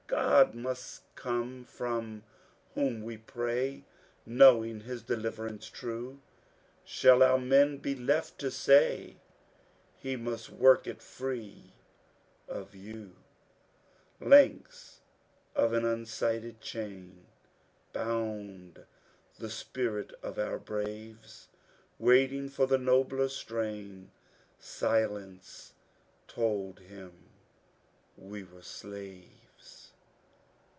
God most oome, for whom we prajy SLDOwing his deliyeranoe true; Shall oar men be left to say, He most work it free of you 7 — Ldnks of an unsighted chain Bound the spirit of our braves ; Waiting for the nobler strain. Silence told him we were slaves.